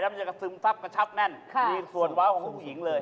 มันจะกระซึมซับกระชับแน่นมีส่วนว้าวของผู้หญิงเลย